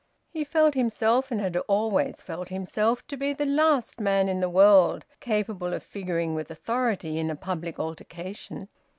He felt himself, and had always felt himself, to be the last man in the world capable of figuring with authority in a public altercation.